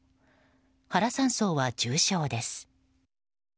原３曹は重傷です。